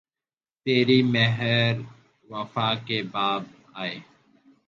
تیری مہر و وفا کے باب آئے